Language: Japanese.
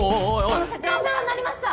その節はお世話になりました。